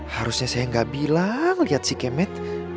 harusnya saya gak bilang liat si kemet